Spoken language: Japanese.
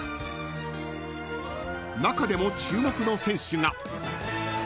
［中でも注目の選手が］